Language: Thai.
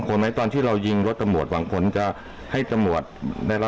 ก่อนหน้านี้เคยยิงประทาสกับตำรวจไหม